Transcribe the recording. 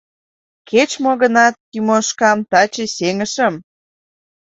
— Кеч-мо гынат, Тимошкам таче сеҥышым!